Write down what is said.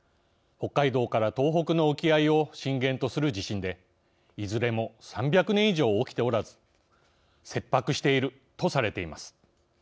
北海道から東北の沖合を震源とする地震で、いずれも３００年以上起きておらず切迫しているとされています。